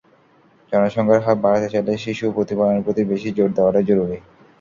জনসংখ্যার হার বাড়াতে চাইলে শিশু প্রতিপালনের প্রতি বেশি জোর দেওয়াটা জরুরি।